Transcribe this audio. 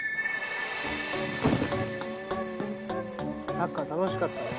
サッカー楽しかったね。